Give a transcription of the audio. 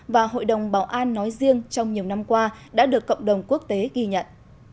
và hội đồng bảo an nói riêng trong nhiều năm qua đã được cộng đồng quốc tế ghi nhận